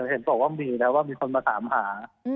เห็นบอกว่ามีนะว่ามีคนมาถามหา